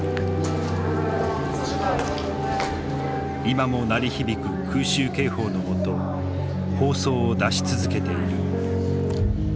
今も鳴り響く空襲警報のもと放送を出し続けている。